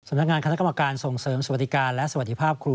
นักงานคณะกรรมการส่งเสริมสวัสดิการและสวัสดีภาพครู